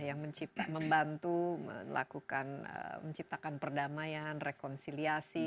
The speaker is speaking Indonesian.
yang membantu melakukan menciptakan perdamaian rekonsiliasi